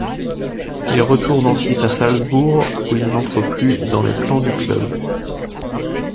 Il retourne ensuite à Salzbourg, où il n’entre plus dans les plans du club.